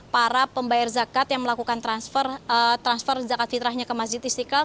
para pembayar zakat yang melakukan transfer zakat fitrahnya ke masjid istiqlal